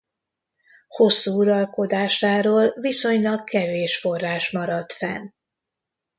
Hosszú uralkodásáról viszonylag kevés forrás maradt fenn.